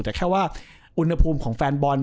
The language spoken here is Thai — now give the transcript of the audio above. แต่แค่ว่าอุณหภูมิของแฟนบอล